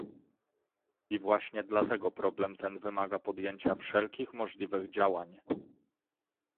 I właśnie dlatego problem ten wymaga podjęcia wszelkich możliwych działań